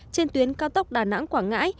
trên tuyến cao tốc đà nẵng quảng ngãi